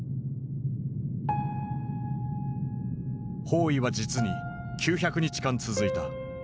包囲は実に９００日間続いた。